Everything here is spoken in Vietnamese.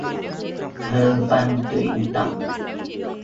Thơ, văn, tuyển tập